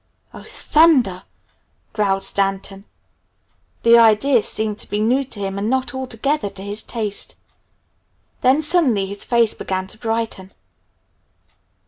"Oh, Thunder!" growled Stanton. The idea seemed to be new to him and not altogether to his taste. Then suddenly his face began to brighten.